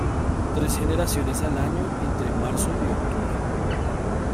Tres generaciones al año entre marzo y octubre.